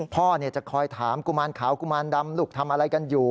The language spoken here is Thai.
พ่อจะคอยถามกุมารขาวกุมารดำลูกทำอะไรกันอยู่